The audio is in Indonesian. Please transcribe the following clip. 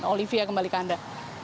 olivia kembali ke anda